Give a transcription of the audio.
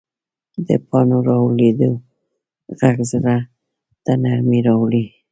د پاڼو رالوېدو غږ زړه ته نرمي راولي